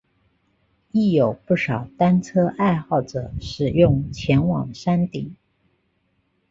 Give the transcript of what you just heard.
亦有不少单车爱好者使用前往山顶。